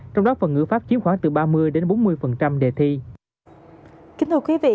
trong đó phần ngữ pháp chiếm khoảng từ ba mươi đến bốn mươi đề thi